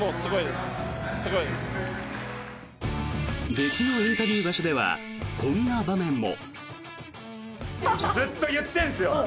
別のインタビュー場所ではこんな場面も。